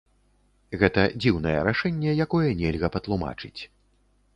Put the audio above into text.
Гэта дзіўнае рашэнне, якое нельга патлумачыць.